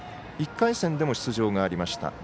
１回戦でも出場がありました。